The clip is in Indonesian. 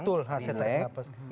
betul khasnya tarik nafas